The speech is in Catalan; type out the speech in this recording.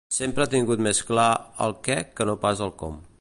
Sempre ha tingut més clar el què que no pas el com.